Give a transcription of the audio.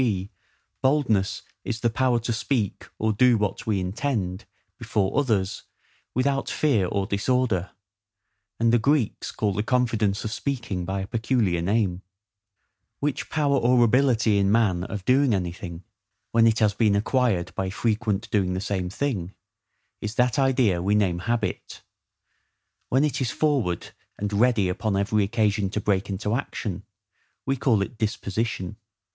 g. BOLDNESS is the power to speak or do what we intend, before others, without fear or disorder; and the Greeks call the confidence of speaking by a peculiar name, [word in Greek]: which power or ability in man of doing anything, when it has been acquired by frequent doing the same thing, is that idea we name HABIT; when it is forward, and ready upon every occasion to break into action, we call it DISPOSITION.